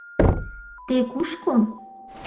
— Те кушко?